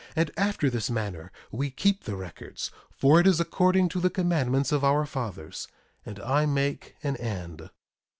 And after this manner we keep the records, for it is according to the commandments of our fathers. And I make an end.